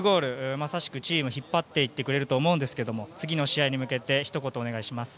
まさにチームを引っ張ってくれると思いますが次の試合に向けてひと言お願いします。